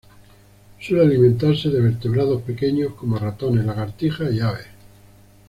Suele alimentarse de vertebrados pequeños como ratones, lagartijas y aves.